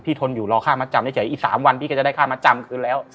พี่ทนอยู่รอค่ามาจำได้เจออีก๓วันพี่จะได้ค่ามาจำคือแล้ว